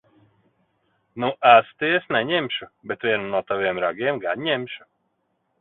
Nu asti es neņemšu. Bet vienu no taviem ragiem gan ņemšu.